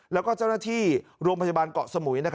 แล้วก็เจ้าหน้าที่โรงพยาบาลเกาะสมุย